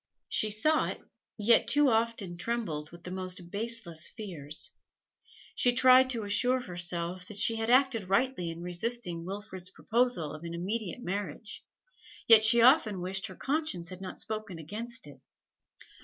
She saw it, yet too often trembled with the most baseless fears. She tried to assure herself that she had acted rightly in resisting Wilfrid's proposal of an immediate marriage, yet she often wished her conscience had not spoken against it.